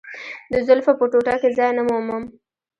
د زلفو په ټوټه کې ځای نه مومم.